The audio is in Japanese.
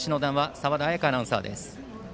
澤田彩香アナウンサーです。